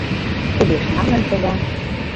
кугешналын шога